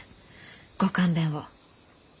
ご勘弁を。